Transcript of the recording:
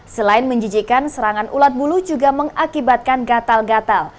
selain menjijikan serangan ulat bulu juga mengakibatkan gatal gatal